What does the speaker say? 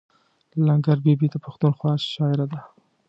لنګر بي بي د پښتونخوا شاعره ده.